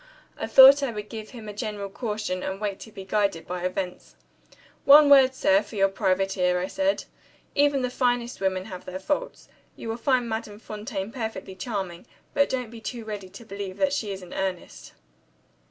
I thought I would give him a general caution, and wait to be guided by events. "One word, sir, for your private ear," I said. "Even the finest women have their faults. You will find Madame Fontaine perfectly charming; but don't be too ready to believe that she is in earnest."